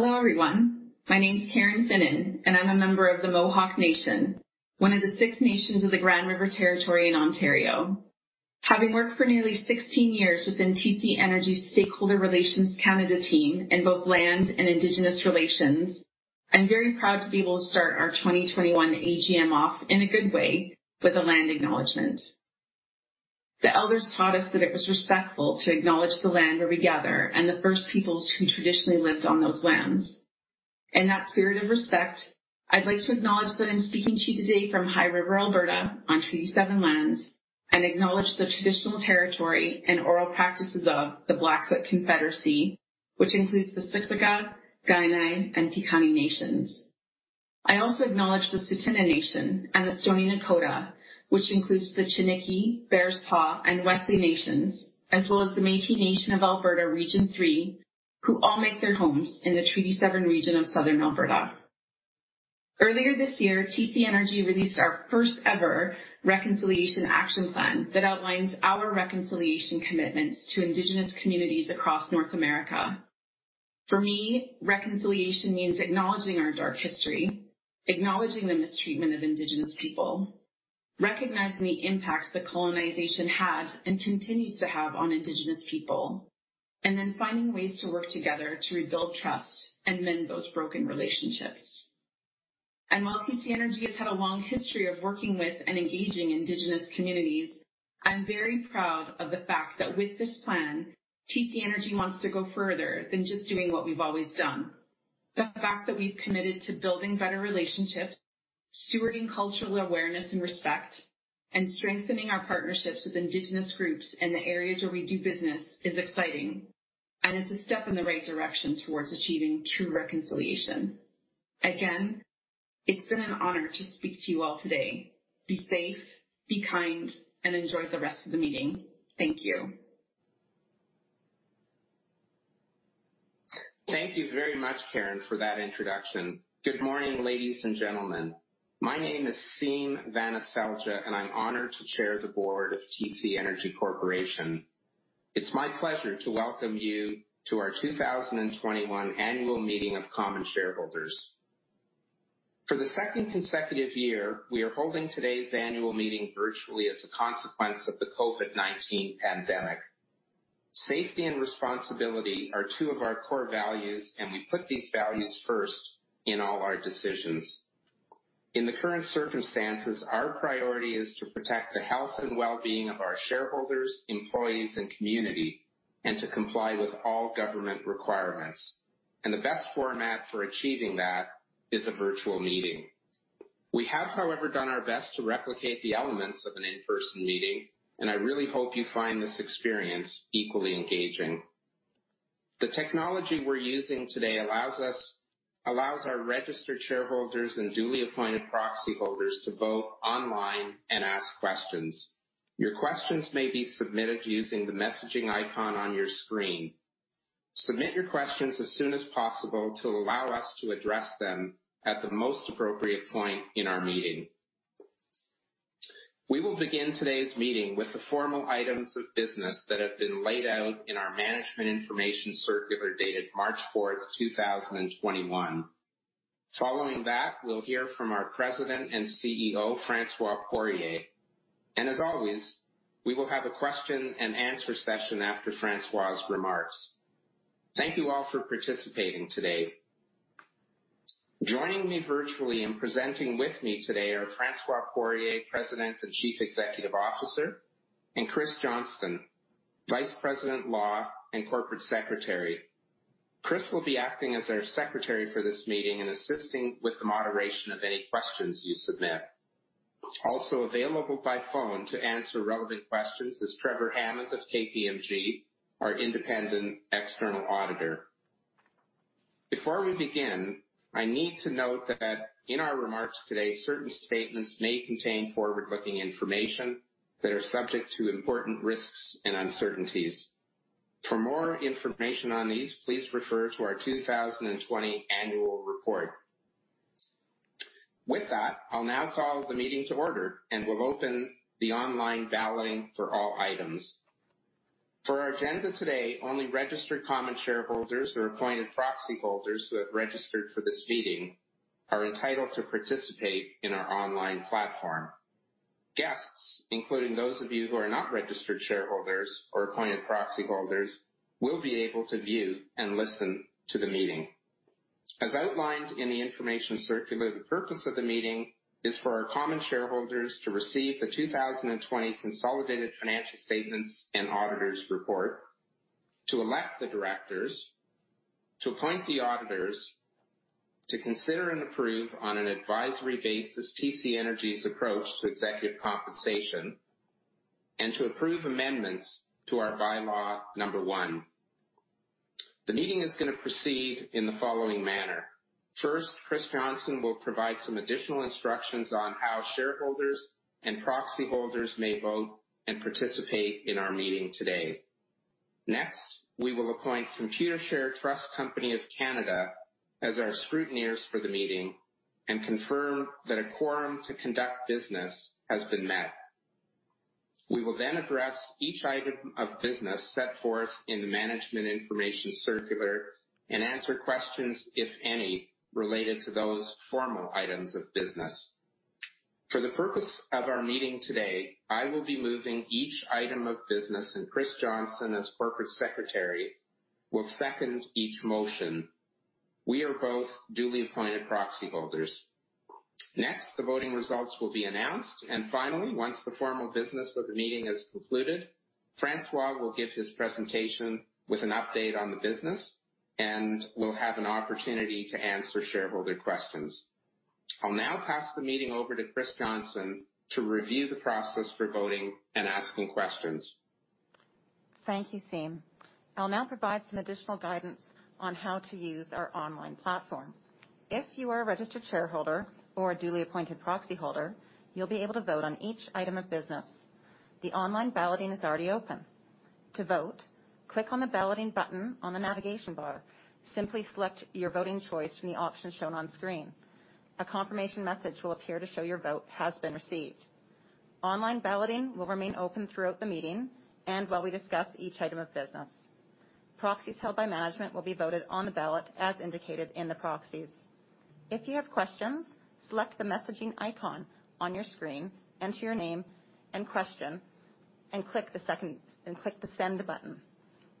Hello, everyone. My name is Karen Finnan, and I'm a member of the Mohawk Nation, one of the Six Nations of the Grand River Territory in Ontario. Having worked for nearly 16 years within TC Energy's Stakeholder Relations Canada team in both land and Indigenous relations, I'm very proud to be able to start our 2021 AGM off in a good way with a land acknowledgment. The elders taught us that it was respectful to acknowledge the land where we gather and the First Peoples who traditionally lived on those lands. In that spirit of respect, I'd like to acknowledge that I'm speaking to you today from High River, Alberta, on Treaty 7 lands, and acknowledge the traditional territory and oral practices of the Blackfoot Confederacy, which includes the Siksika, Kainai, and Piikani Nations. I also acknowledge the Tsuut'ina Nation and the Stoney Nakoda, which includes the Chiniki, Bearspaw, and Wesley nations, as well as the Métis Nation of Alberta Region 3, who all make their homes in the Treaty 7 region of Southern Alberta. Earlier this year, TC Energy released our first-ever Reconciliation Action Plan that outlines our reconciliation commitments to Indigenous communities across North America. For me, reconciliation means acknowledging our dark history, acknowledging the mistreatment of Indigenous people, recognizing the impact that colonization had and continues to have on Indigenous people, then finding ways to work together to rebuild trust and mend those broken relationships. While TC Energy has had a long history of working with and engaging Indigenous communities, I'm very proud of the fact that with this plan, TC Energy wants to go further than just doing what we've always done. The fact that we've committed to building better relationships, stewarding cultural awareness and respect, and strengthening our partnerships with Indigenous groups in the areas where we do business is exciting, and it's a step in the right direction towards achieving true Reconciliation. Again, it's been an honor to speak to you all today. Be safe, be kind, and enjoy the rest of the meeting. Thank you. Thank you very much, Karen, for that introduction. Good morning, ladies and gentlemen. My name is Siim Vanaselja, and I'm honored to chair the board of TC Energy Corporation. It's my pleasure to welcome you to our 2021 annual meeting of common shareholders. For the second consecutive year, we are holding today's annual meeting virtually as a consequence of the COVID-19 pandemic. Safety and responsibility are two of our core values, and we put these values first in all our decisions. In the current circumstances, our priority is to protect the health and wellbeing of our shareholders, employees, and community and to comply with all government requirements. The best format for achieving that is a virtual meeting. We have, however, done our best to replicate the elements of an in-person meeting, and I really hope you find this experience equally engaging. The technology we're using today allows our registered shareholders and duly appointed proxy holders to vote online and ask questions. Your questions may be submitted using the messaging icon on your screen. Submit your questions as soon as possible to allow us to address them at the most appropriate point in our meeting. We will begin today's meeting with the formal items of business that have been laid out in our Management Information Circular dated March fourth, 2021. Following that, we'll hear from our President and Chief Executive Officer, François Poirier. As always, we will have a question and answer session after François's remarks. Thank you all for participating today. Joining me virtually and presenting with me today are François Poirier, President and Chief Executive Officer, and Chris Johnston, Vice President, Law, and Corporate Secretary. Chris will be acting as our secretary for this meeting and assisting with the moderation of any questions you submit. Available by phone to answer relevant questions is Trevor Hammond of KPMG, our independent external auditor. I need to note that in our remarks today, certain statements may contain forward-looking information that are subject to important risks and uncertainties. For more information on these, please refer to our 2020 annual report. I'll now call the meeting to order, and we'll open the online balloting for all items. Our agenda today, only registered common shareholders or appointed proxy holders who have registered for this meeting are entitled to participate in our online platform. Guests, including those of you who are not registered shareholders or appointed proxy holders, will be able to view and listen to the meeting. As outlined in the Management Information Circular, the purpose of the meeting is for our common shareholders to receive the 2020 consolidated financial statements and auditors' report, to elect the directors, to appoint the auditors, to consider and approve on an advisory basis TC Energy's approach to executive compensation, and to approve amendments to our By-law Number one. The meeting is going to proceed in the following manner. First, Chris Johnston will provide some additional instructions on how shareholders and proxy holders may vote and participate in our meeting today. Next, we will appoint Computershare Trust Company of Canada as our scrutineers for the meeting and confirm that a quorum to conduct business has been met. We will then address each item of business set forth in Management Information Circular and answer questions, if any, related to those formal items of business. For the purpose of our meeting today, I will be moving each item of business, and Chris Johnston, as corporate secretary, will second each motion. We are both duly appointed proxy holders. Next, the voting results will be announced. Finally, once the formal business of the meeting has concluded, François will give his presentation with an update on the business, and we'll have an opportunity to answer shareholder questions. I'll now pass the meeting over to Chris Johnston to review the process for voting and asking questions. Thank you, Siim. I'll now provide some additional guidance on how to use our online platform. If you are a registered shareholder or a duly appointed proxy holder, you'll be able to vote on each item of business. The online balloting is already open. To vote, click on the Balloting button on the navigation bar. Simply select your voting choice from the options shown on screen. A confirmation message will appear to show your vote has been received. Online balloting will remain open throughout the meeting and while we discuss each item of business. Proxies held by management will be voted on the ballot as indicated in the proxies. If you have questions, select the Messaging icon on your screen, enter your name and question, and click the Send button.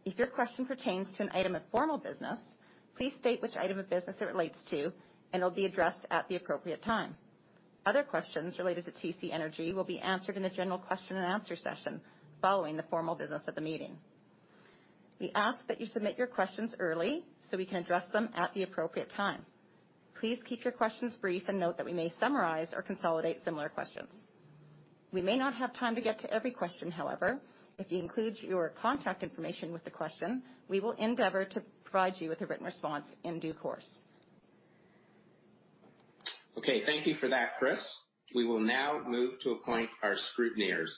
If your question pertains to an item of formal business, please state which item of business it relates to, and it will be addressed at the appropriate time. Other questions related to TC Energy will be answered in the general question and answer session following the formal business of the meeting. We ask that you submit your questions early so we can address them at the appropriate time. Please keep your questions brief and note that we may summarize or consolidate similar questions. We may not have time to get to every question. However, if you include your contact information with the question, we will endeavor to provide you with a written response in due course. Okay. Thank you for that, Chris. We will now move to appoint our scrutineers.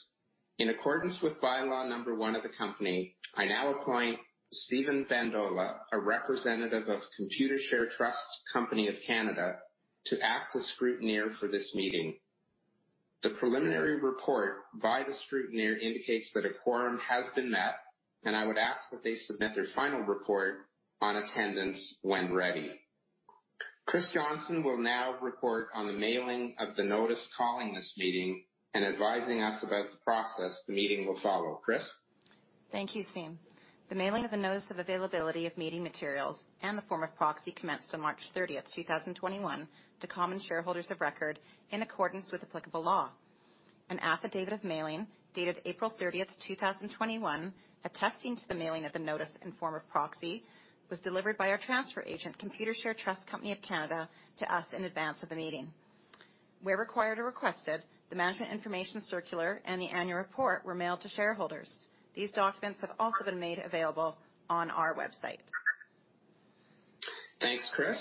In accordance with By-law Number one of the company, I now appoint Steven Fendola, a representative of Computershare Trust Company of Canada, to act as scrutineer for this meeting. The preliminary report by the scrutineer indicates that a quorum has been met, and I would ask that they submit their final report on attendance when ready. Chris Johnston will now report on the mailing of the notice calling this meeting and advising us about the process the meeting will follow. Chris. Thank you, Siim. The mailing of the notice of availability of meeting materials and the form of proxy commenced on March 30th, 2021 to common shareholders of record in accordance with applicable law. An affidavit of mailing dated April 30th, 2021, attesting to the mailing of the notice and form of proxy, was delivered by our transfer agent, Computershare Trust Company of Canada, to us in advance of the meeting. Where required or requested, the Management Information Circular and the annual report were mailed to shareholders. These documents have also been made available on our website. Thanks, Chris.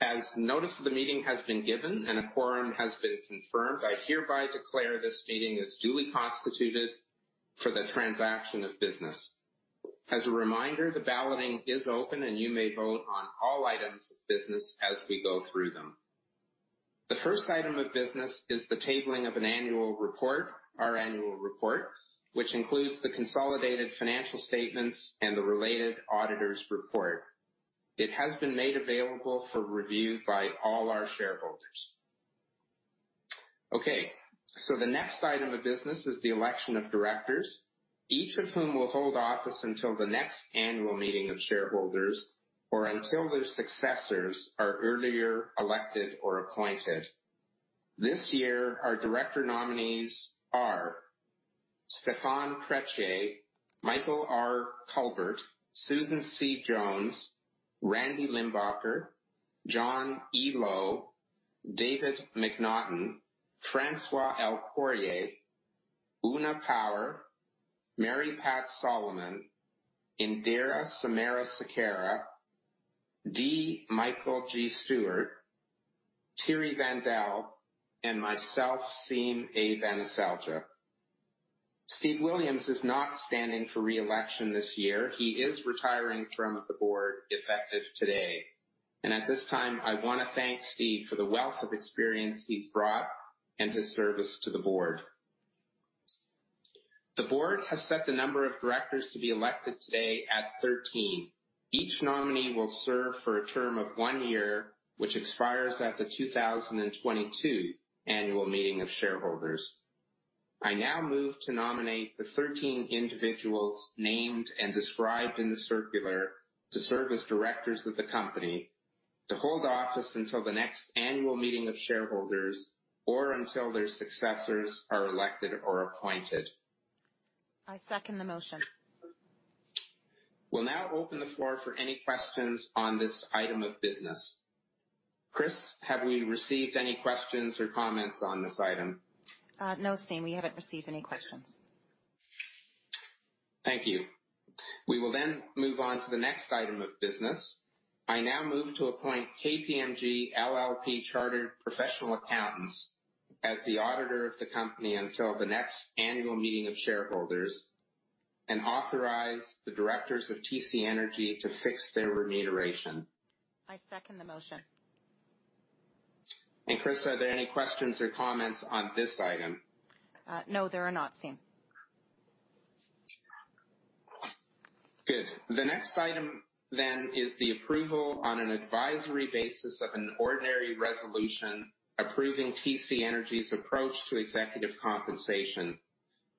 As notice of the meeting has been given and a quorum has been confirmed, I hereby declare this meeting is duly constituted for the transaction of business. As a reminder, the balloting is open, and you may vote on all items of business as we go through them. The first item of business is the tabling of an annual report, our annual report, which includes the consolidated financial statements and the related auditor's report. It has been made available for review by all our shareholders. Okay, the next item of business is the election of directors, each of whom will hold office until the next annual meeting of shareholders or until their successors are earlier elected or appointed. This year, our director nominees are Stéphan Crétier, Michael R. Culbert, Susan C. Jones, Randy Limbacher, John E. Lowe, David MacNaughton, François L. Poirier, Una Power, Mary Pat Salomone, Indira Samarasekera, D. Michael G. Stewart, Thierry Vandal, and myself, Siim Vanaselja. Steve Williams is not standing for re-election this year, he is retiring from the board effective today. At this time, I want to thank Steve for the wealth of experience he's brought and his service to the board. The board has set the number of directors to be elected today at 13. Each nominee will serve for a term of one year, which expires at the 2022 annual meeting of shareholders. I now move to nominate the 13 individuals named and described in the circular to serve as directors of the company to hold office until the next annual meeting of shareholders or until their successors are elected or appointed. I second the motion. We'll now open the floor for any questions on this item of business. Chris, have we received any questions or comments on this item? No, Siim, we haven't received any questions. Thank you. We will move on to the next item of business. I now move to appoint KPMG LLP Chartered Professional Accountants as the auditor of the company until the next annual meeting of shareholders and authorize the directors of TC Energy to fix their remuneration. I second the motion. Chris, are there any questions or comments on this item? No, there are not, Siim. Good. The next item then is the approval on an advisory basis of an ordinary resolution approving TC Energy's approach to executive compensation.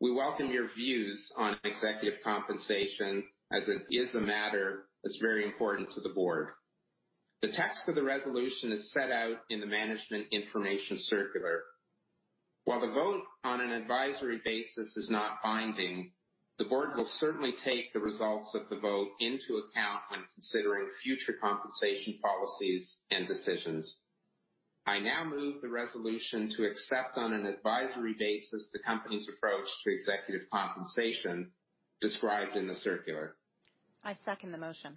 We welcome your views on executive compensation, as it is a matter that's very important to the board. The text of the resolution is set out in the Management Information Circular. While the vote on an advisory basis is not binding, the board will certainly take the results of the vote into account when considering future compensation policies and decisions. I now move the resolution to accept, on an advisory basis, the company's approach to executive compensation described in the circular. I second the motion.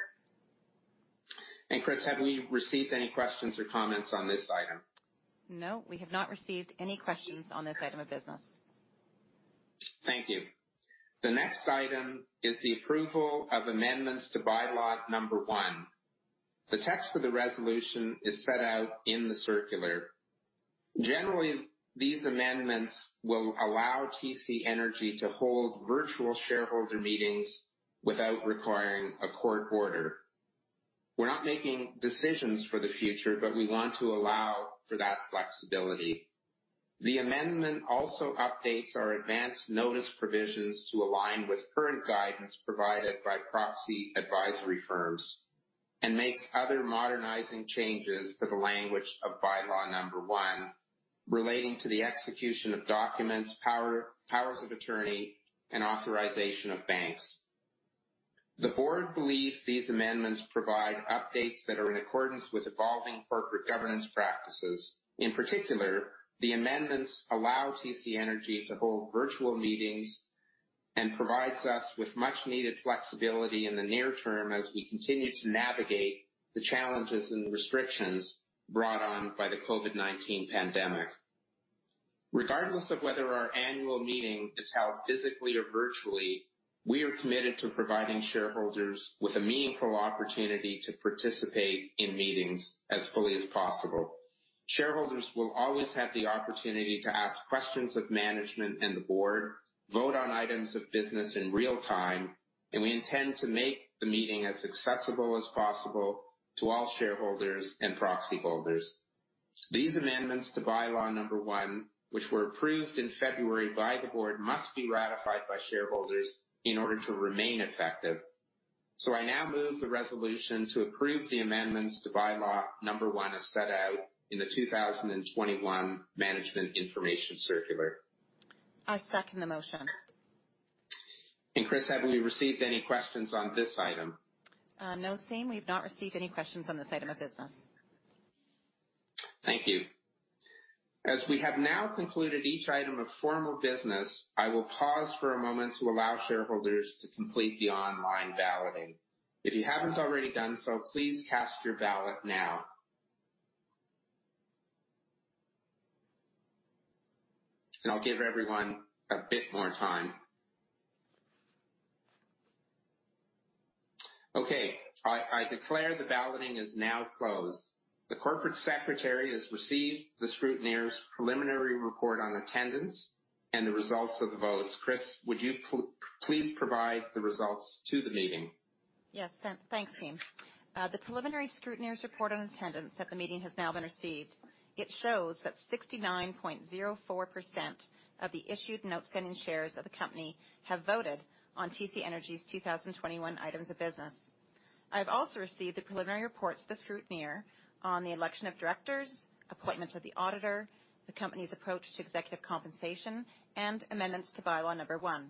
Chris, have we received any questions or comments on this item? No, we have not received any questions on this item of business. Thank you. The next item is the approval of amendments to By-law Number one. The text for the resolution is set out in the circular. Generally, these amendments will allow TC Energy to hold virtual shareholder meetings without requiring a court order. We're not making decisions for the future, but we want to allow for that flexibility. The amendment also updates our advance notice provisions to align with current guidance provided by proxy advisory firms and makes other modernizing changes to the language of By-law Number one relating to the execution of documents, powers of attorney, and authorization of banks. The board believes these amendments provide updates that are in accordance with evolving corporate governance practices. In particular, the amendments allow TC Energy to hold virtual meetings and provides us with much-needed flexibility in the near term as we continue to navigate the challenges and restrictions brought on by the COVID-19 pandemic. Regardless of whether our annual meeting is held physically or virtually, we are committed to providing shareholders with a meaningful opportunity to participate in meetings as fully as possible. Shareholders will always have the opportunity to ask questions of management and the board, vote on items of business in real time, and we intend to make the meeting as accessible as possible to all shareholders and proxy holders. These amendments to By-law Number 1, which were approved in February by the board, must be ratified by shareholders in order to remain effective. I now move the resolution to approve the amendments to By-law Number one as set out in the 2021 Management Information Circular. I second the motion. Chris, have we received any questions on this item? No, Siim, we've not received any questions on this item of business. Thank you. As we have now concluded each item of formal business, I will pause for a moment to allow shareholders to complete the online balloting. If you haven't already done so, please cast your ballot now. I'll give everyone a bit more time. Okay, I declare the balloting is now closed. The Corporate Secretary has received the scrutineer's preliminary report on attendance and the results of the votes. Chris, would you please provide the results to the meeting? Yes. Thanks, Siim. The preliminary scrutineer's report on attendance at the meeting has now been received. It shows that 69.04% of the issued, outstanding shares of the company have voted on TC Energy's 2021 items of business. I've also received the preliminary reports to the scrutineer on the election of directors, appointment of the auditor, the company's approach to executive compensation, and amendments to By-law Number one.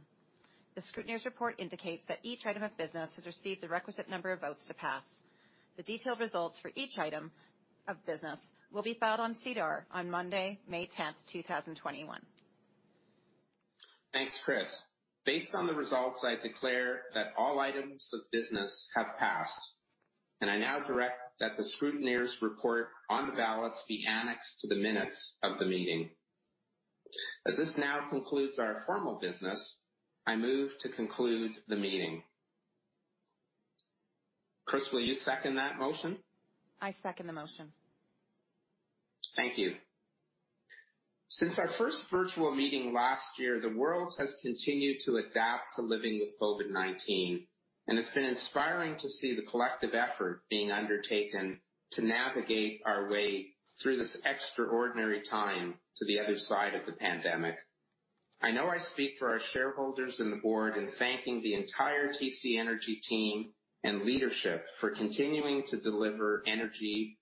The scrutineer's report indicates that each item of business has received the requisite number of votes to pass. The detailed results for each item of business will be filed on SEDAR on Monday, May 10, 2021. Thanks, Chris. Based on the results, I declare that all items of business have passed, and I now direct that the scrutineer's report on the ballots be annexed to the minutes of the meeting. As this now concludes our formal business, I move to conclude the meeting. Chris, will you second that motion? I second the motion. Thank you. Since our first virtual meeting last year, the world has continued to adapt to living with COVID-19, and it's been inspiring to see the collective effort being undertaken to navigate our way through this extraordinary time to the other side of the pandemic. I know I speak for our shareholders and the board in thanking the entire TC Energy team and leadership for continuing to deliver energy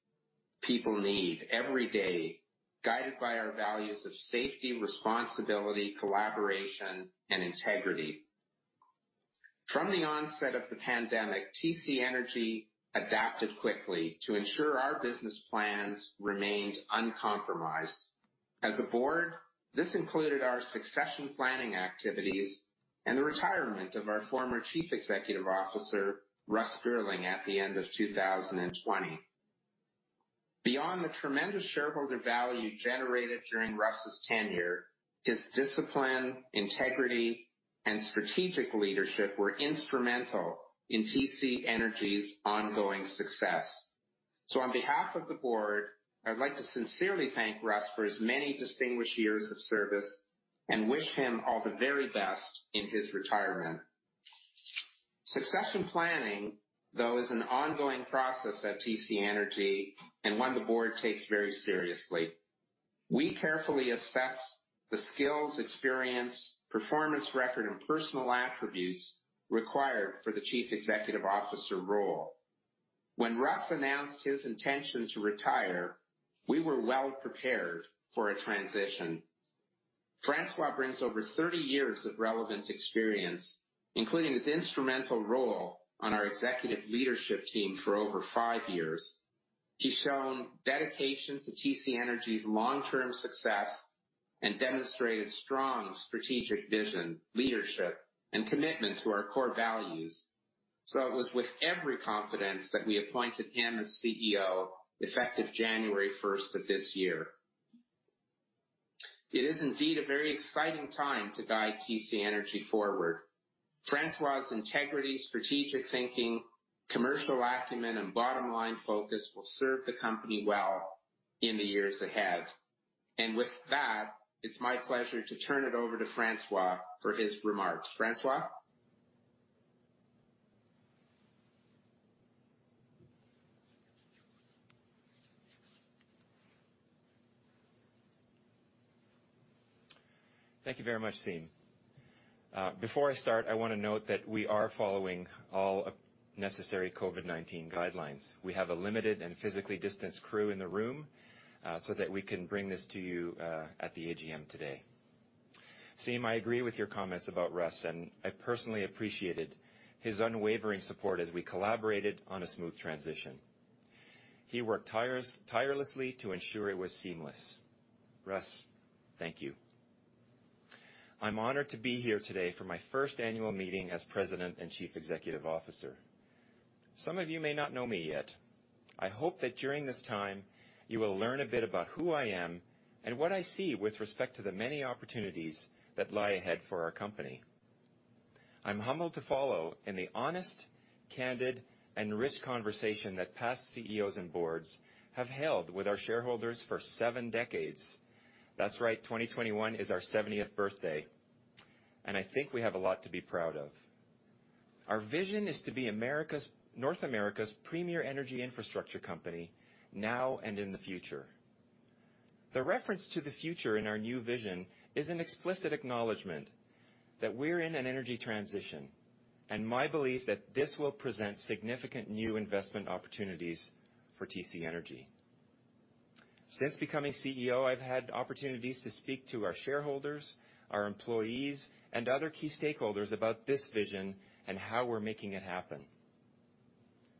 people need every day, guided by our values of safety, responsibility, collaboration, and integrity. From the onset of the pandemic, TC Energy adapted quickly to ensure our business plans remained uncompromised. As a board, this included our succession planning activities and the retirement of our former Chief Executive Officer, Russ Girling, at the end of 2020. Beyond the tremendous shareholder value generated during Russ's tenure. His discipline, integrity, and strategic leadership were instrumental in TC Energy's ongoing success. On behalf of the Board, I'd like to sincerely thank Russ for his many distinguished years of service and wish him all the very best in his retirement. Succession planning, though, is an ongoing process at TC Energy and one the board takes very seriously. We carefully assess the skills, experience, performance record, and personal attributes required for the Chief Executive Officer role. When Russ announced his intention to retire, we were well-prepared for a transition. François brings over 30 years of relevant experience, including his instrumental role on our executive leadership team for over five years. He's shown dedication to TC Energy's long-term success and demonstrated strong strategic vision, leadership, and commitment to our core values. It was with every confidence that we appointed him as CEO effective January 1st of this year. It is indeed a very exciting time to guide TC Energy forward. François's integrity, strategic thinking, commercial acumen, and bottom-line focus will serve the company well in the years ahead. With that, it's my pleasure to turn it over to François for his remarks. François? Thank you very much, Siim. Before I start, I want to note that we are following all necessary COVID-19 guidelines. We have a limited and physically distanced crew in the room, so that we can bring this to you at the AGM today. Siim, I agree with your comments about Russ, and I personally appreciated his unwavering support as we collaborated on a smooth transition. He worked tirelessly to ensure it was seamless. Russ, thank you. I'm honored to be here today for my first annual meeting as President and Chief Executive Officer. Some of you may not know me yet. I hope that during this time, you will learn a bit about who I am and what I see with respect to the many opportunities that lie ahead for our company. I'm humbled to follow in the honest, candid, and rich conversation that past CEOs and boards have held with our shareholders for seven decades. That's right, 2021 is our 70th birthday, and I think we have a lot to be proud of. Our vision is to be North America's premier energy infrastructure company now and in the future. The reference to the future in our new vision is an explicit acknowledgment that we're in an energy transition, and my belief that this will present significant new investment opportunities for TC Energy. Since becoming CEO, I've had opportunities to speak to our shareholders, our employees, and other key stakeholders about this vision and how we're making it happen.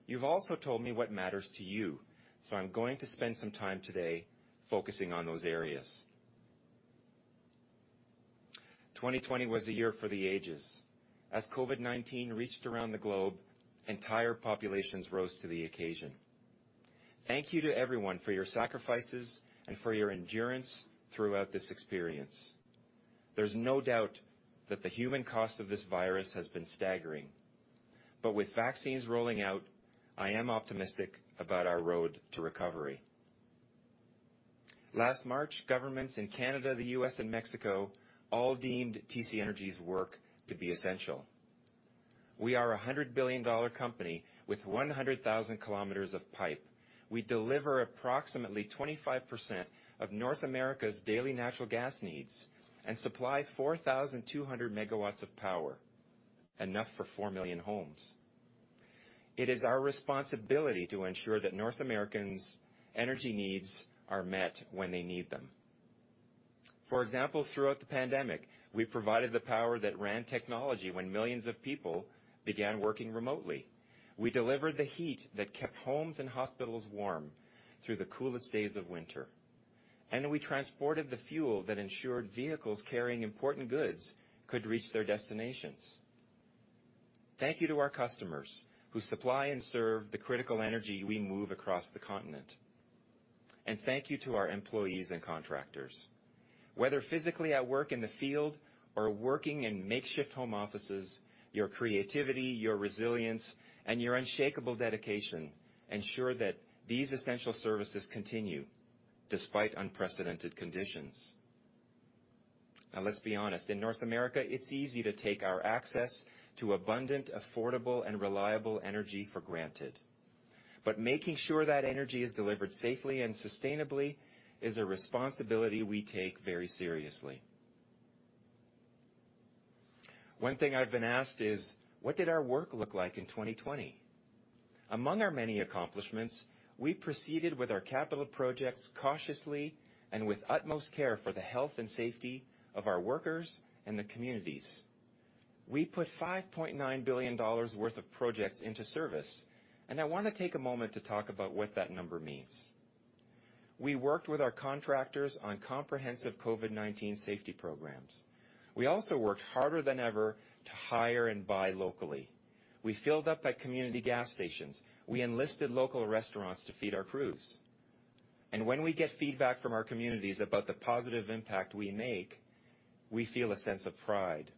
You've also told me what matters to you, so I'm going to spend some time today focusing on those areas. 2020 was a year for the ages. As COVID-19 reached around the globe, entire populations rose to the occasion. Thank you to everyone for your sacrifices and for your endurance throughout this experience. There's no doubt that the human cost of this virus has been staggering. With vaccines rolling out, I am optimistic about our road to recovery. Last March, governments in Canada, the U.S., and Mexico all deemed TC Energy's work to be essential. We are a 100 billion dollar company with 100,000 km of pipe. We deliver approximately 25% of North America's daily natural gas needs and supply 4,200 MW of power, enough for four million homes. It is our responsibility to ensure that North Americans' energy needs are met when they need them. For example, throughout the pandemic, we provided the power that ran technology when millions of people began working remotely. We delivered the heat that kept homes and hospitals warm through the coolest days of winter. We transported the fuel that ensured vehicles carrying important goods could reach their destinations. Thank you to our customers who supply and serve the critical energy we move across the continent. Thank you to our employees and contractors. Whether physically at work in the field, or working in makeshift home offices, your creativity, your resilience, and your unshakable dedication ensure that these essential services continue despite unprecedented conditions. Now, let's be honest. In North America, it's easy to take our access to abundant, affordable, and reliable energy for granted, but making sure that energy is delivered safely and sustainably is a responsibility we take very seriously. One thing I've been asked is: What did our work look like in 2020? Among our many accomplishments, we proceeded with our capital projects cautiously and with utmost care for the health and safety of our workers and the communities. We put 5.9 billion dollars worth of projects into service. I want to take a moment to talk about what that number means. We worked with our contractors on comprehensive COVID-19 safety programs. We also worked harder than ever to hire and buy locally. We filled up at community gas stations. We enlisted local restaurants to feed our crews. When we get feedback from our communities about the positive impact we make, we feel a sense of pride.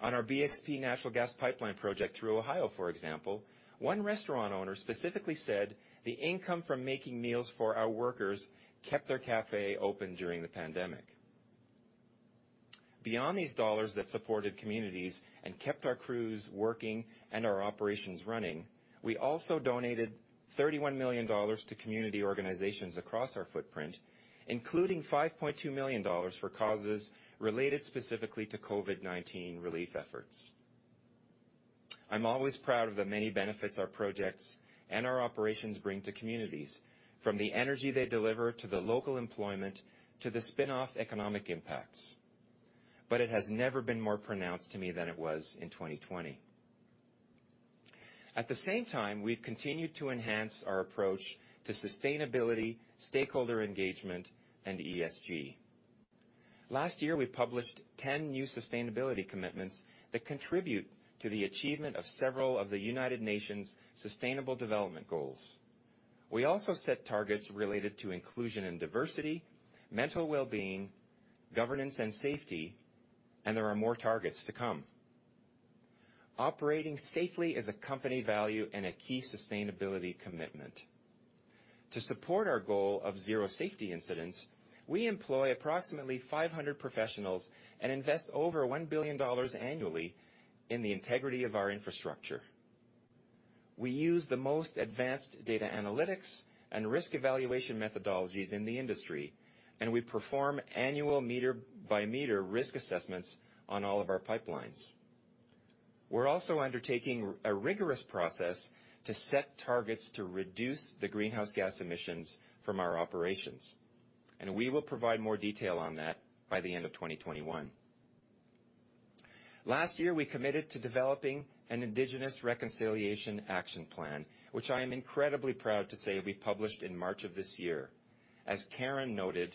On our BXP natural gas pipeline project through Ohio, for example, one restaurant owner specifically said the income from making meals for our workers kept their cafe open during the pandemic. Beyond these dollars that supported communities and kept our crews working and our operations running, we also donated 31 million dollars to community organizations across our footprint, including 5.2 million dollars for causes related specifically to COVID-19 relief efforts. I'm always proud of the many benefits our projects and our operations bring to communities, from the energy they deliver, to the local employment, to the spinoff economic impacts, but it has never been more pronounced to me than it was in 2020. At the same time, we've continued to enhance our approach to sustainability, stakeholder engagement, and ESG. Last year, we published 10 new sustainability commitments that contribute to the achievement of several of the United Nations Sustainable Development Goals. We also set targets related to inclusion and diversity, mental wellbeing, governance and safety, and there are more targets to come. Operating safely is a company value and a key sustainability commitment. To support our goal of zero safety incidents, we employ approximately 500 professionals and invest over 1 billion dollars annually in the integrity of our infrastructure. We use the most advanced data analytics and risk evaluation methodologies in the industry, and we perform annual meter-by-meter risk assessments on all of our pipelines. We're also undertaking a rigorous process to set targets to reduce the greenhouse gas emissions from our operations, and we will provide more detail on that by the end of 2021. Last year, we committed to developing an Indigenous Reconciliation Action Plan, which I am incredibly proud to say we published in March of this year, as Karen noted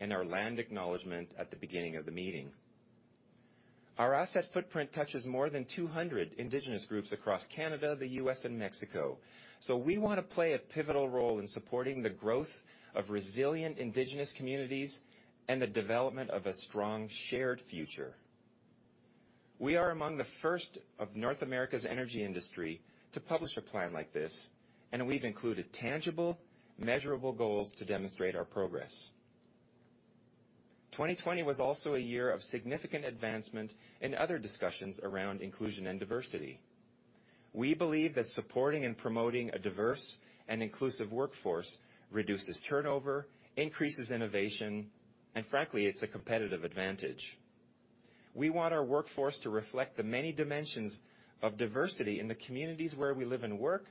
in our land acknowledgment at the beginning of the meeting. Our asset footprint touches more than 200 Indigenous groups across Canada, the U.S., and Mexico. We want to play a pivotal role in supporting the growth of resilient Indigenous communities and the development of a strong, shared future. We are among the first of North America's energy industry to publish a plan like this, and we've included tangible, measurable goals to demonstrate our progress. 2020 was also a year of significant advancement in other discussions around inclusion and diversity. We believe that supporting and promoting a diverse and inclusive workforce reduces turnover, increases innovation, and frankly, it's a competitive advantage. We want our workforce to reflect the many dimensions of diversity in the communities where we live and work,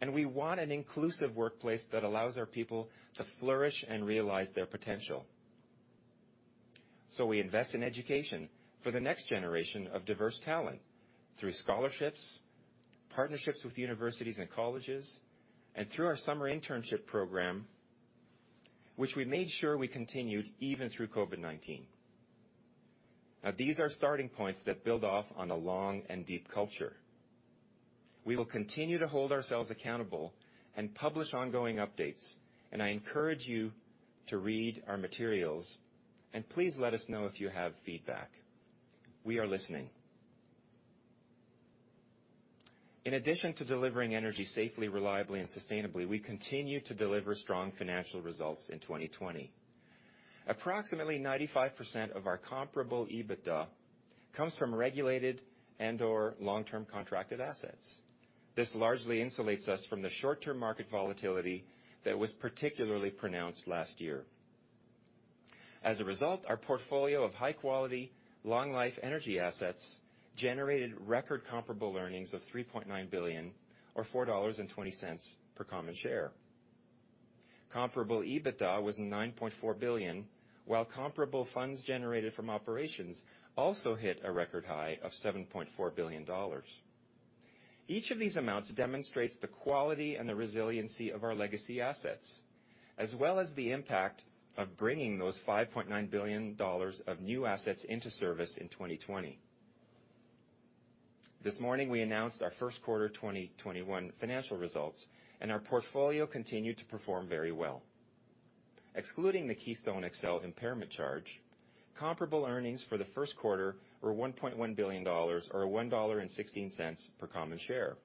and we want an inclusive workplace that allows our people to flourish and realize their potential. We invest in education for the next generation of diverse talent through scholarships, partnerships with universities and colleges, and through our summer internship program, which we made sure we continued even through COVID-19. These are starting points that build off on a long and deep culture. We will continue to hold ourselves accountable and publish ongoing updates, and I encourage you to read our materials, and please let us know if you have feedback. We are listening. In addition to delivering energy safely, reliably, and sustainably, we continued to deliver strong financial results in 2020. Approximately 95% of our comparable EBITDA comes from regulated and/or long-term contracted assets. This largely insulates us from the short-term market volatility that was particularly pronounced last year. Our portfolio of high-quality, long-life energy assets generated record comparable earnings of 3.9 billion or 4.20 dollars per common share. Comparable EBITDA was 9.4 billion, while comparable funds generated from operations also hit a record high of 7.4 billion dollars. Each of these amounts demonstrates the quality and the resiliency of our legacy assets, as well as the impact of bringing those 5.9 billion dollars of new assets into service in 2020. This morning, we announced our first quarter 2021 financial results, and our portfolio continued to perform very well. Excluding the Keystone XL impairment charge, comparable earnings for the first quarter were 1.1 billion dollars or 1.16 dollar per common share.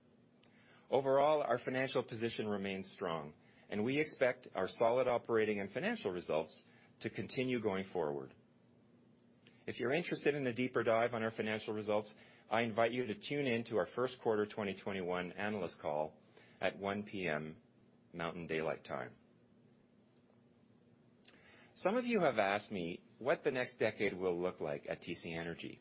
Overall, our financial position remains strong and we expect our solid operating and financial results to continue going forward. If you're interested in a deeper dive on our financial results, I invite you to tune in to our first quarter 2021 analyst call at 1:00 P.M. Mountain Daylight Time. Some of you have asked me what the next decade will look like at TC Energy.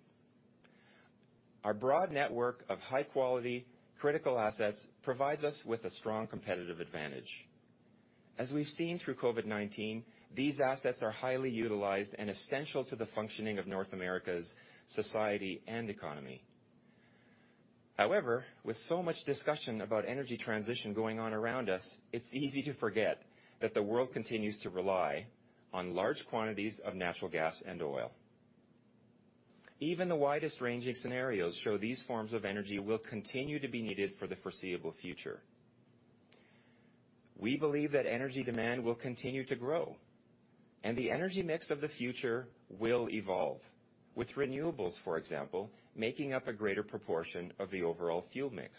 Our broad network of high-quality, critical assets provides us with a strong competitive advantage. As we've seen through COVID-19, these assets are highly utilized and essential to the functioning of North America's society and economy. However, with so much discussion about energy transition going on around us, it's easy to forget that the world continues to rely on large quantities of natural gas and oil. Even the widest-ranging scenarios show these forms of energy will continue to be needed for the foreseeable future. We believe that energy demand will continue to grow, and the energy mix of the future will evolve, with renewables, for example, making up a greater proportion of the overall fuel mix.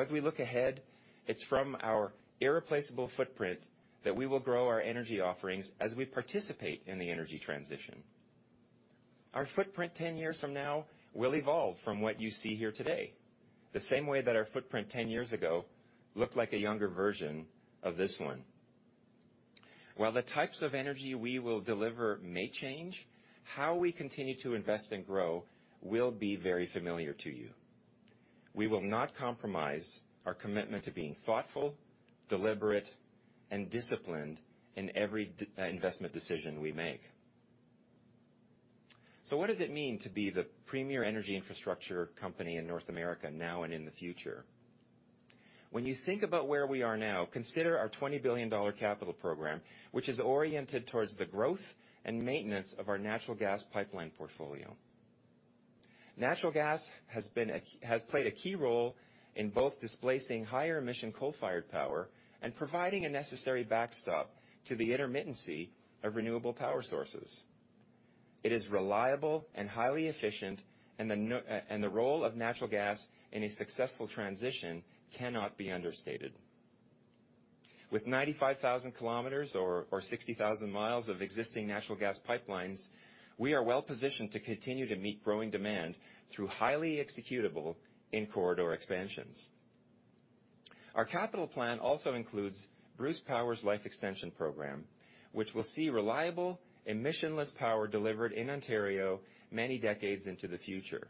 As we look ahead, it's from our irreplaceable footprint that we will grow our energy offerings as we participate in the energy transition. Our footprint 10 years from now will evolve from what you see here today, the same way that our footprint 10 years ago looked like a younger version of this one. While the types of energy we will deliver may change, how we continue to invest and grow will be very familiar to you. We will not compromise our commitment to being thoughtful, deliberate, and disciplined in every investment decision we make. What does it mean to be the premier energy infrastructure company in North America now and in the future? When you think about where we are now, consider our 20 billion dollar capital program, which is oriented towards the growth and maintenance of our natural gas pipeline portfolio. Natural gas has played a key role in both displacing higher emission coal-fired power and providing a necessary backstop to the intermittency of renewable power sources. It is reliable and highly efficient, the role of natural gas in a successful transition cannot be understated. With 95,000 km or 60,000 mi of existing natural gas pipelines, we are well-positioned to continue to meet growing demand through highly executable in-corridor expansions. Our capital plan also includes Bruce Power's life extension program, which will see reliable emissionless power delivered in Ontario many decades into the future.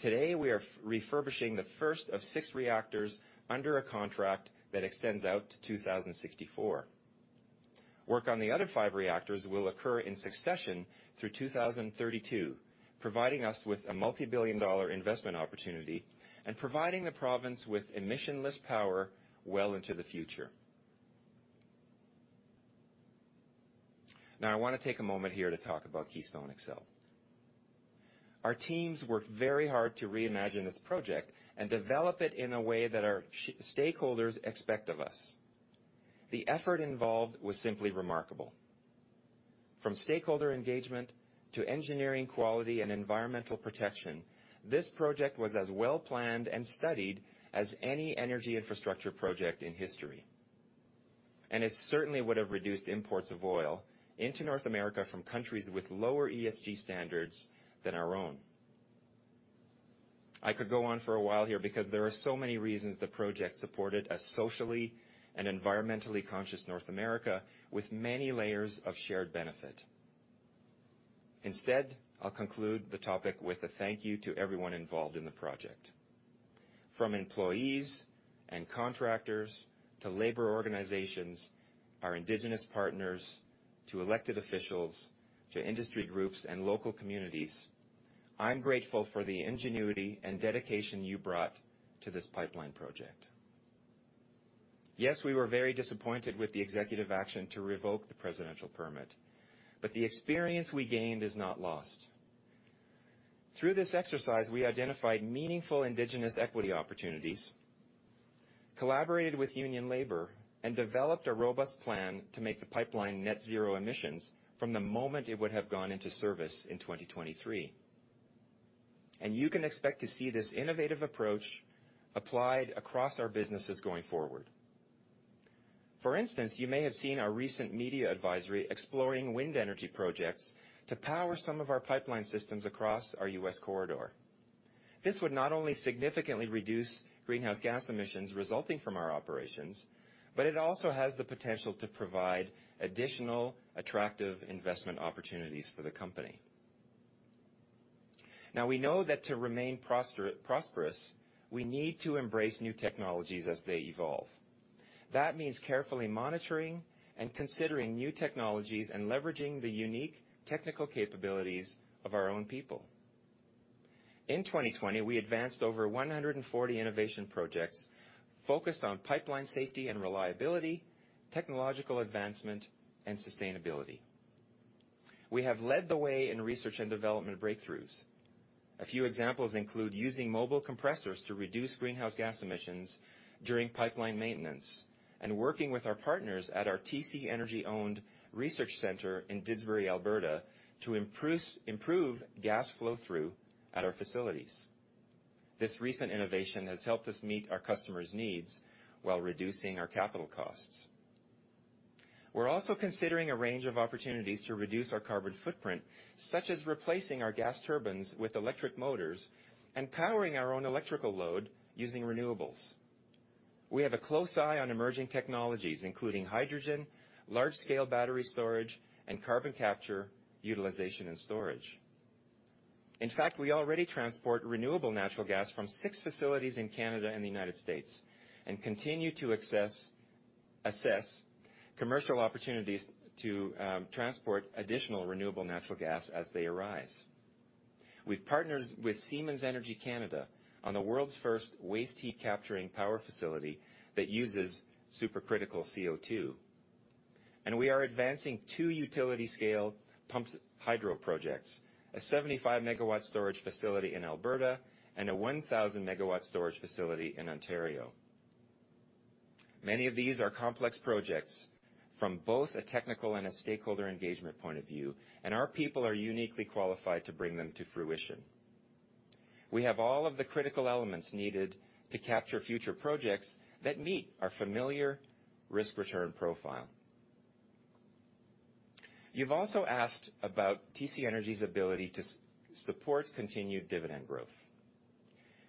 Today, we are refurbishing the first of six reactors under a contract that extends out to 2064. Work on the other five reactors will occur in succession through 2032, providing us with a multibillion-dollar investment opportunity and providing the province with emissionless power well into the future. I want to take a moment here to talk about Keystone XL. Our teams worked very hard to reimagine this project and develop it in a way that our stakeholders expect of us. The effort involved was simply remarkable. From stakeholder engagement, to engineering quality and environmental protection, this project was as well-planned and studied as any energy infrastructure project in history. It certainly would have reduced imports of oil into North America from countries with lower ESG standards than our own. I could go on for a while here because there are so many reasons the project supported a socially and environmentally conscious North America with many layers of shared benefit. Instead, I'll conclude the topic with a thank you to everyone involved in the project. From employees and contractors, to labor organizations, our Indigenous partners, to elected officials, to industry groups and local communities, I'm grateful for the ingenuity and dedication you brought to this pipeline project. Yes, we were very disappointed with the executive action to revoke the presidential permit, but the experience we gained is not lost. Through this exercise, we identified meaningful Indigenous equity opportunities, collaborated with union labor, and developed a robust plan to make the pipeline net-zero emissions from the moment it would have gone into service in 2023. You can expect to see this innovative approach applied across our businesses going forward. For instance, you may have seen our recent media advisory exploring wind energy projects to power some of our pipeline systems across our U.S. corridor. This would not only significantly reduce greenhouse gas emissions resulting from our operations, but it also has the potential to provide additional attractive investment opportunities for the company. We know that to remain prosperous, we need to embrace new technologies as they evolve. That means carefully monitoring and considering new technologies and leveraging the unique technical capabilities of our own people. In 2020, we advanced over 140 innovation projects focused on pipeline safety and reliability, technological advancement, and sustainability. We have led the way in research and development breakthroughs. A few examples include using mobile compressors to reduce greenhouse gas emissions during pipeline maintenance and working with our partners at our TC Energy-owned research center in Didsbury, Alberta, to improve gas flow-through at our facilities. This recent innovation has helped us meet our customers' needs while reducing our capital costs. We're also considering a range of opportunities to reduce our carbon footprint, such as replacing our gas turbines with electric motors and powering our own electrical load using renewables. We have a close eye on emerging technologies, including hydrogen, large-scale battery storage, and Carbon Capture, Utilization, and Storage. In fact, we already transport Renewable Natural Gas from six facilities in Canada and the U.S. and continue to assess commercial opportunities to transport additional Renewable Natural Gas as they arise. We've partnered with Siemens Energy Canada on the world's first waste heat capturing power facility that uses supercritical CO2. We are advancing two utility-scale pumped hydro projects, a 75 MW storage facility in Alberta and a 1,000 MW storage facility in Ontario. Many of these are complex projects from both a technical and a stakeholder engagement point of view, and our people are uniquely qualified to bring them to fruition. We have all of the critical elements needed to capture future projects that meet our familiar risk-return profile. You've also asked about TC Energy's ability to support continued dividend growth.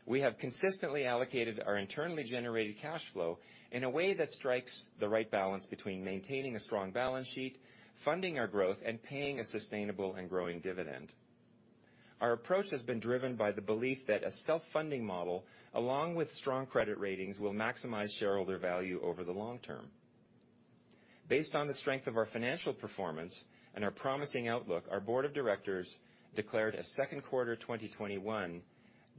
We have consistently allocated our internally generated cash flow in a way that strikes the right balance between maintaining a strong balance sheet, funding our growth, and paying a sustainable and growing dividend. Our approach has been driven by the belief that a self-funding model, along with strong credit ratings, will maximize shareholder value over the long term. Based on the strength of our financial performance and our promising outlook, our board of directors declared a second quarter 2021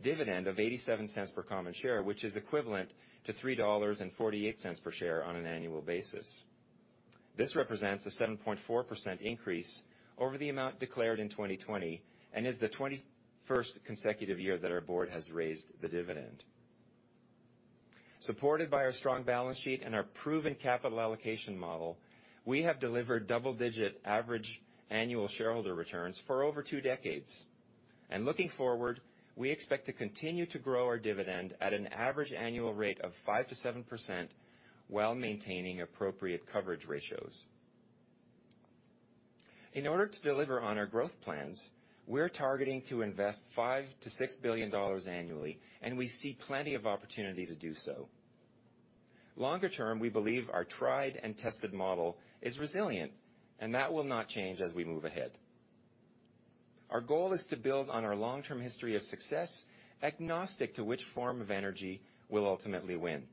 dividend of 0.87 per common share, which is equivalent to 3.48 dollars per share on an annual basis. This represents a 7.4% increase over the amount declared in 2020 and is the 21st consecutive year that our board has raised the dividend. Supported by our strong balance sheet and our proven capital allocation model, we have delivered double-digit average annual shareholder returns for over two decades. Looking forward, we expect to continue to grow our dividend at an average annual rate of 5%-7% while maintaining appropriate coverage ratios. In order to deliver on our growth plans, we're targeting to invest 5 billion-6 billion dollars annually. We see plenty of opportunity to do so. Longer term, we believe our tried and tested model is resilient. That will not change as we move ahead. Our goal is to build on our long-term history of success, agnostic to which form of energy will ultimately win.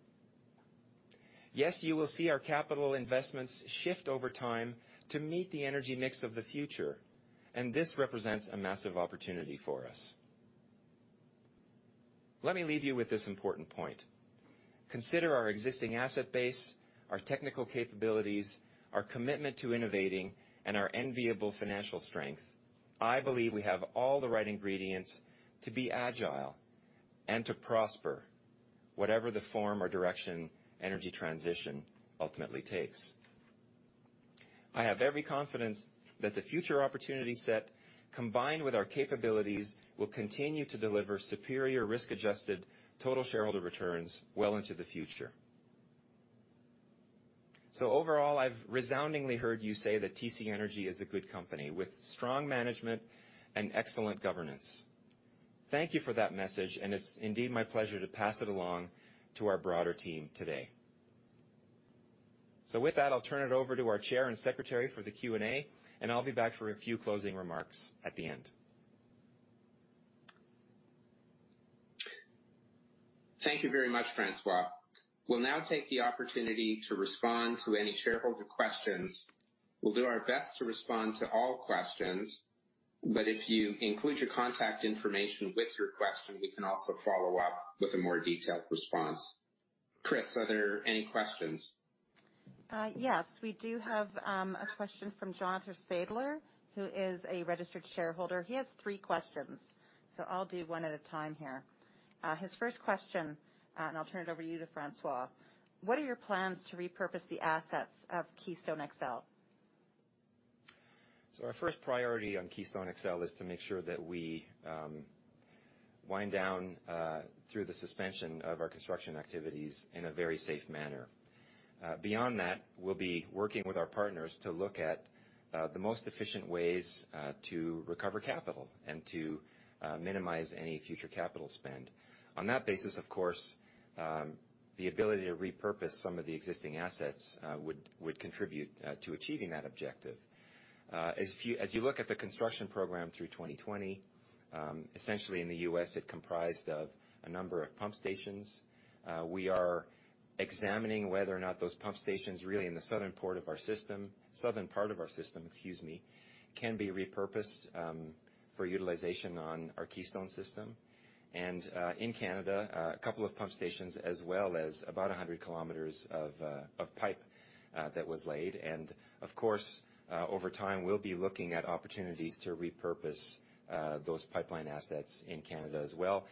Yes, you will see our capital investments shift over time to meet the energy mix of the future, and this represents a massive opportunity for us. Let me leave you with this important point. Consider our existing asset base, our technical capabilities, our commitment to innovating, and our enviable financial strength. I believe we have all the right ingredients to be agile and to prosper, whatever the form or direction energy transition ultimately takes. I have every confidence that the future opportunity set, combined with our capabilities, will continue to deliver superior risk-adjusted total shareholder returns well into the future. Overall, I've resoundingly heard you say that TC Energy is a good company with strong management and excellent governance. Thank you for that message, and it's indeed my pleasure to pass it along to our broader team today. With that, I'll turn it over to our chair and secretary for the Q&A, and I'll be back for a few closing remarks at the end. Thank you very much, François. We'll now take the opportunity to respond to any shareholder questions. We'll do our best to respond to all questions, but if you include your contact information with your question, we can also follow up with a more detailed response. Chris, are there any questions? Yes, we do have a question from Jonathan Sadler, who is a registered shareholder. He has three questions. I'll do one at a time here. His first question, I'll turn it over to you, François. What are your plans to repurpose the assets of Keystone XL? Our first priority on Keystone XL is to make sure that we wind down through the suspension of our construction activities in a very safe manner. Beyond that, we'll be working with our partners to look at the most efficient ways to recover capital and to minimize any future capital spend. On that basis, of course, the ability to repurpose some of the existing assets would contribute to achieving that objective. As you look at the construction program through 2020, essentially in the U.S., it comprised of a number of pump stations. We are examining whether or not those pump stations really in the southern part of our system can be repurposed for utilization on our Keystone System. In Canada, a couple of pump stations as well as about 100 km of pipe that was laid. Of course, over time, we'll be looking at opportunities to repurpose those pipeline assets in Canada as well,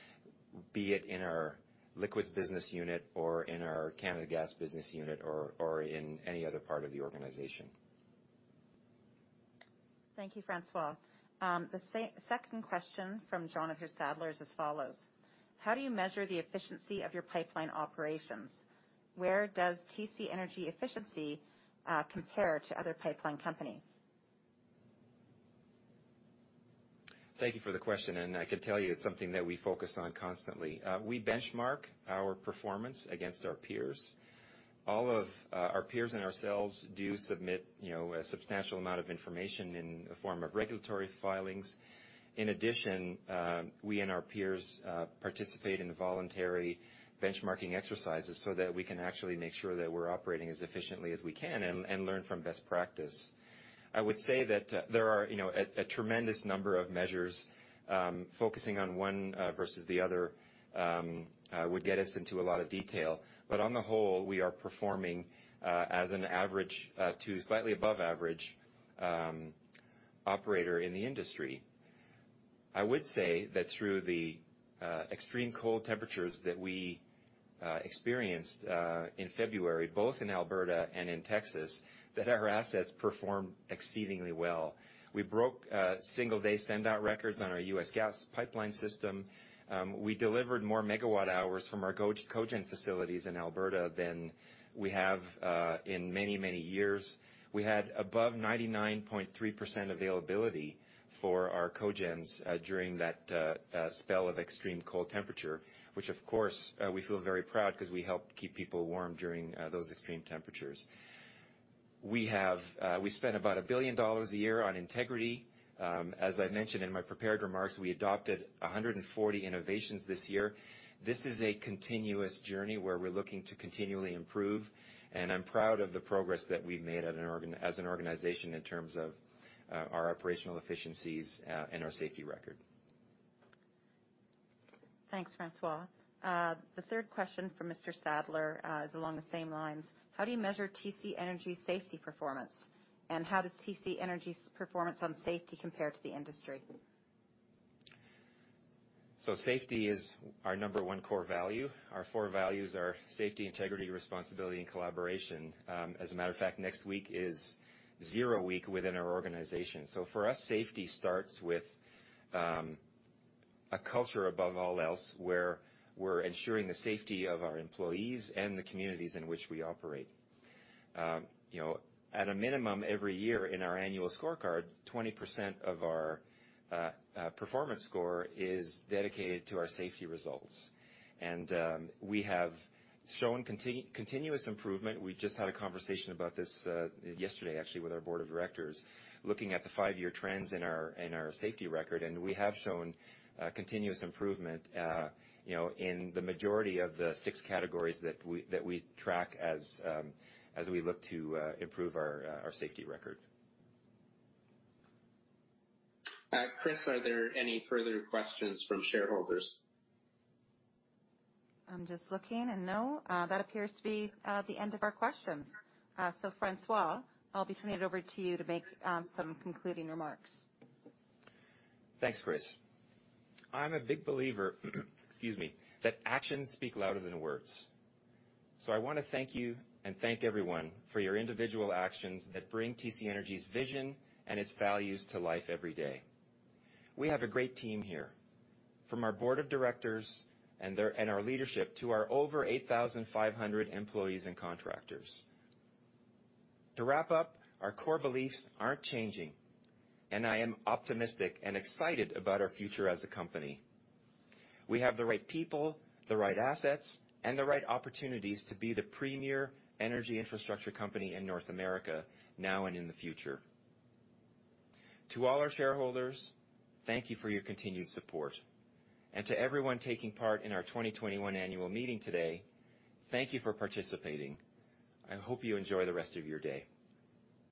be it in our Liquids Business Unit or in our Canada Gas Business Unit, or in any other part of the organization. Thank you, François. The second question from Jonathan Sadler is as follows: How do you measure the efficiency of your pipeline operations? Where does TC Energy efficiency compare to other pipeline companies? Thank you for the question, and I can tell you it's something that we focus on constantly. We benchmark our performance against our peers. All of our peers and ourselves do submit a substantial amount of information in the form of regulatory filings. In addition, we and our peers participate in voluntary benchmarking exercises so that we can actually make sure that we're operating as efficiently as we can and learn from best practice. I would say that there are a tremendous number of measures. Focusing on one versus the other would get us into a lot of detail. On the whole, we are performing as an average to slightly above average operator in the industry. I would say that through the extreme cold temperatures that we experienced in February, both in Alberta and in Texas, that our assets performed exceedingly well. We broke single-day sendout records on our U.S. gas pipeline system. We delivered more MWh from our cogen facilities in Alberta than we have in many, many years. We had above 99.3% availability for our cogens during that spell of extreme cold temperature, which of course, we feel very proud because we helped keep people warm during those extreme temperatures. We spend about 1 billion dollars a year on integrity. As I mentioned in my prepared remarks, we adopted 140 innovations this year. This is a continuous journey where we're looking to continually improve, and I'm proud of the progress that we've made as an organization in terms of our operational efficiencies and our safety record. Thanks, François. The third question from Mr. Sadler is along the same lines. How do you measure TC Energy's safety performance, and how does TC Energy's performance on safety compare to the industry? Safety is our number one core value. Our four values are safety, integrity, responsibility, and collaboration. As a matter of fact, next week is zero week within our organization. For us, safety starts with a culture above all else, where we're ensuring the safety of our employees and the communities in which we operate. At a minimum, every year in our annual scorecard, 20% of our performance score is dedicated to our safety results. We have shown continuous improvement. We just had a conversation about this yesterday, actually, with our board of directors, looking at the five-year trends in our safety record, and we have shown continuous improvement, in the majority of the six categories that we track as we look to improve our safety record. Chris, are there any further questions from shareholders? I'm just looking, and no. That appears to be the end of our questions. François, I'll be turning it over to you to make some concluding remarks. Thanks, Chris. I'm a big believer that actions speak louder than words. I want to thank you and thank everyone for your individual actions that bring TC Energy's vision and its values to life every day. We have a great team here, from our board of directors and our leadership, to our over 8,500 employees and contractors. To wrap up, our core beliefs aren't changing, and I am optimistic and excited about our future as a company. We have the right people, the right assets, and the right opportunities to be the premier energy infrastructure company in North America now and in the future. To all our shareholders, thank you for your continued support. To everyone taking part in our 2021 annual meeting today, thank you for participating. I hope you enjoy the rest of your day.